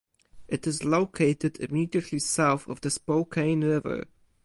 It is located immediately south of the Spokane River.